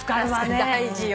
大事よ。